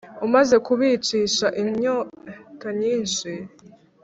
umaze kubicisha inyota nyinshi